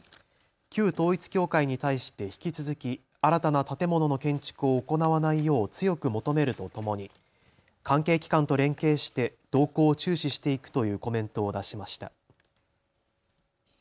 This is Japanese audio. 旧統一教会に対して引き続き新たな建物の建築を行わないよう強く求めるとともに関係機関と連携して動向を注視していくというコメントを出しました。